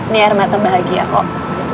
nih armata bahagia kok